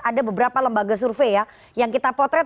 ada beberapa lembaga survei ya yang kita potret